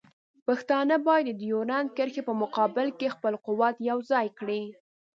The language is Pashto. پښتانه باید د ډیورنډ کرښې په مقابل کې خپل قوت یوځای کړي.